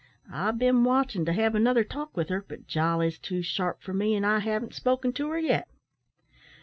I've been watchin' to have another talk with her, but Jolly's too sharp for me, an' I haven't spoke to her yet."